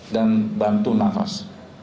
dan bantu nafas